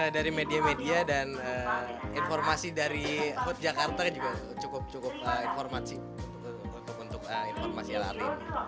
dari media media dan informasi dari hut jakarta juga cukup informasi untuk informasi lrt